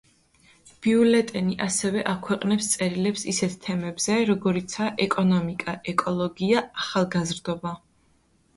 ბიულეტენი ასევე აქვეყნებს წერილებს ისეთ თემებზე, როგორიცაა: ეკონომიკა, ეკოლოგია, ახალგაზრდობა.